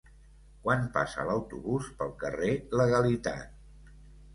Quan passa l'autobús pel carrer Legalitat?